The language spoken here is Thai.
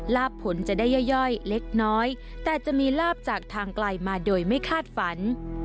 ลาบผลจะได้ย่อยเล็กน้อยแต่จะมีลาบจากทางไกลมาโดยไม่คาดฝัน